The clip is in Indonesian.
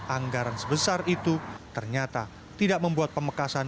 anggaran sebesar itu ternyata tidak membuat pemekasan